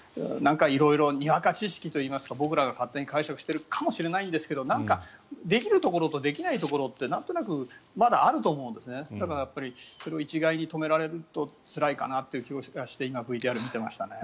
色々、にわか知識と言いますか僕らが勝手に解釈してるかもしれませんがなんか、できるところとできないところってなんとなくまだあると思うのでそれを一概に止められるとつらいかなという気がして今、ＶＴＲを見ていましたね。